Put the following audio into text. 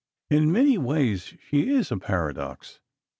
In many ways she is a paradox.